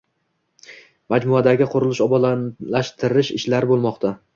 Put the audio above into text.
Majmuadagi qurilish-obodonlashtirish ishlari bo’lmoqda.